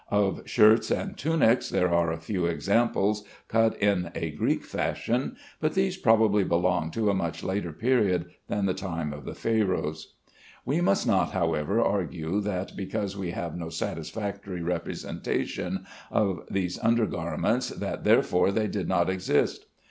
Of shirts and tunics there are a few examples cut in the Greek fashion, but these probably belong to a much later period than the time of the Pharaohs. We must not, however, argue that because we have no satisfactory representation of these under garments that therefore they did not exist.